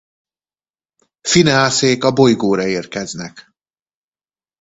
Phineas-ék a bolygóra érkeznek.